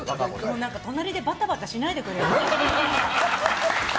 隣でバタバタしないでくれる？